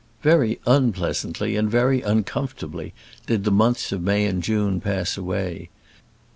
Very unpleasantly and very uncomfortably did the months of May and June pass away.